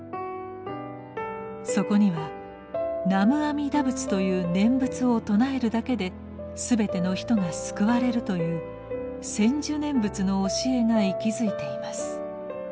そこには「南無阿弥陀仏」という念仏を称えるだけで全ての人が救われるという「専修念仏」の教えが息づいています。